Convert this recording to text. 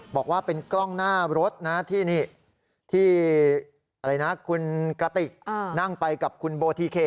บอกว่าเป็นกล้องหน้ารถนะที่คุณกระติกนั่งไปกับคุณโบทิเค